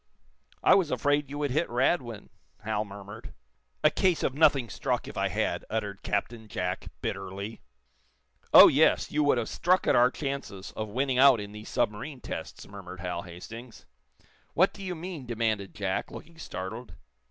"I was afraid you would hit Radwin," Hal murmured. "A case of nothing struck, if I had!" uttered Captain Jack, bitterly. "Oh, yes! You would have struck at our chances of winning out in these submarine tests," murmured Hal Hastings. "What do you mean?" demanded Jack, looking startled.